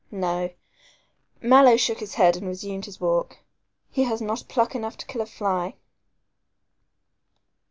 No," Mallow shook his head and resumed his walk, "he has not pluck enough to kill a fly."